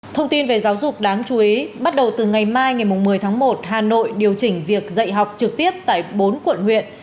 thông tin về giáo dục đáng chú ý bắt đầu từ ngày mai ngày một mươi tháng một hà nội điều chỉnh việc dạy học trực tiếp tại bốn quận huyện